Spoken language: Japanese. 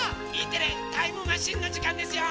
「Ｅテレタイムマシン」のじかんですよ！